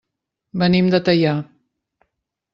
Venim de Teià.